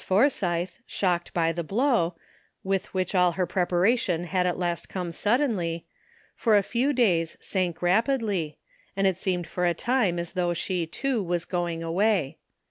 Forsythe, shocked by the blow, which with all her preparation had at last come suddenly, for a few days sank rapidly, and it seemed for a time as though she, too, was go ing aw^ay.